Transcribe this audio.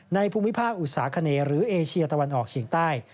ภูมิภาคอุตสาขเนหรือเอเชียตะวันออกเฉียงใต้